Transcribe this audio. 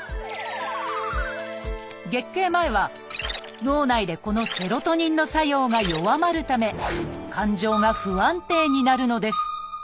月経前は脳内でこのセロトニンの作用が弱まるため感情が不安定になるのです。